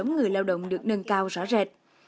người lao động được nâng cao rõ rệt